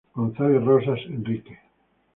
González Rosas, Enrique.